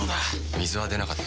水は出なかった。